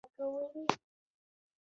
ویروسونه د مکروبي کېدلو ډېر واړه عوامل دي.